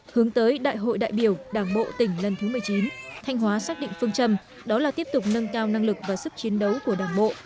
hướng tới đại hội đại biểu đảng bộ tỉnh lần thứ một mươi chín thanh hóa xác định phương châm đó là tiếp tục nâng cao năng lực và sức chiến đấu của đảng bộ